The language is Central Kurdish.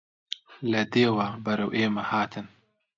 لە دێوە بەرەو ئێمە هاتن